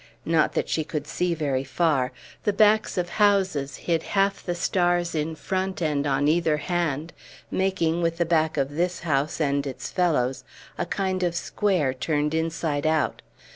Not that she could see very far. The backs of houses hid half the stars in front and on either hand, making, with the back of this house and its fellows, a kind of square turned inside out.